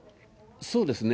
そうですね。